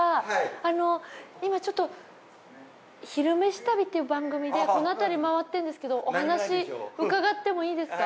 あの今ちょっと「昼めし旅」っていう番組でこのあたりまわってるんですけどお話伺ってもいいですか？